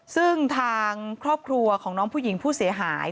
ซึ่งทางครอบครัวของน้องผู้หญิงผู้เสียหาย